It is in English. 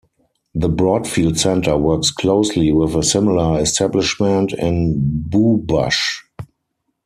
The Broadfield centre works closely with a similar establishment in Bewbush.